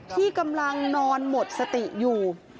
ที่กำลังนอนหมดสติอยู่